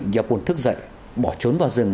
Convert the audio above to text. gia phu thức dậy bỏ trốn vào rừng